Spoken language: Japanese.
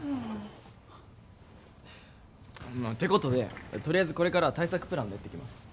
ってことで、とりあえずこれから対策プランを練っていきます。